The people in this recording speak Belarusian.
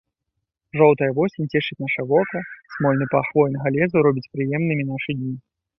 Жоўтая восень цешыць наша вока, смольны пах хвойнага лесу робіць прыемнымі нашы дні.